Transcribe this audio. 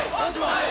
はい。